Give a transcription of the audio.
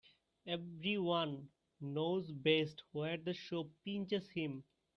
Every one knows best where the shoe pinches him